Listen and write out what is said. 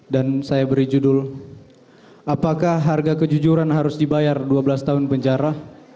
dan saya beri judul apakah harga kejujuran harus dibayar dua belas tahun penjara